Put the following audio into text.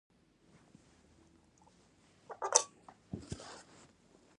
وګړي د افغانستان د ښاري پراختیا سبب کېږي.